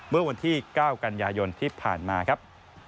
เมื่อวันที่๙กันยายนที่ผ่านมาครับ